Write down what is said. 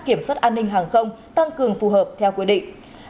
kiểm soát an ninh hàng không tăng cường phù hợp theo quy định